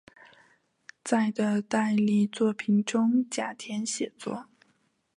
在的代理作品中的甲田写作。